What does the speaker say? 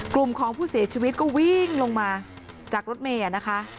กลุ่มของผู้เสียชีวิตก็วิ่งลงมาจากรถเมย์นะคะ